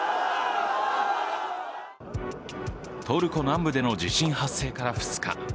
トルコ南部での地震発生から２日。